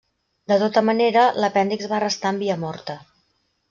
De tota manera l'apèndix va restar en via morta.